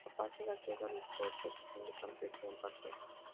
En la fase gaseosa, los corchetes indican presión parcial.